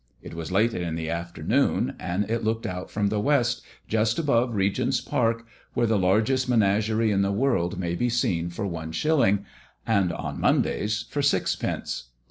It was late in the afternoon, and it looked out from the west, just above Regent's park, where the largest menagerie in the world may be seen for one shilling, and, on Mondays, for sixpence.